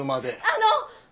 あの！